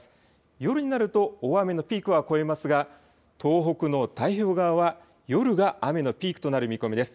夜になると大雨のピークは越えますが東北の太平洋側は夜が雨のピークとなる見込みです。